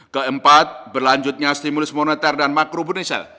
keempat berlanjutnya stimulus moneter dan makrobonetsel